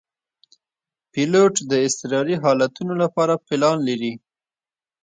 پیلوټ د اضطراري حالتونو لپاره پلان لري.